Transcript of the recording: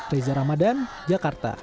riza ramadan jakarta